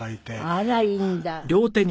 あらいいんだ！